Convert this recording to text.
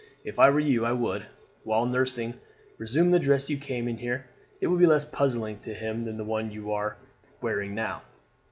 If I were you I would, while nursing, resume the dress you came here in. It will be less puzzling to him than the one you are wearing now."